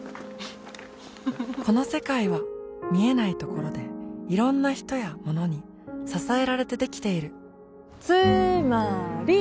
この世界は見えないところでいろんな人やものに支えられてできているつーまーり！